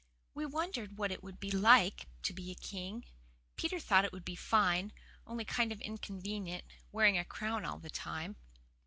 We wondered what it would be like to be a king. Peter thought it would be fine, only kind of inconvenient, wearing a crown all the time.